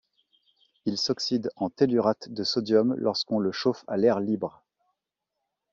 Il s'oxyde en tellurate de sodium lorsqu'on le chauffe à l'air libre.